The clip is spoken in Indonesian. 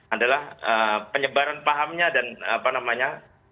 adalah penyebaran pahamnya dan apa namanya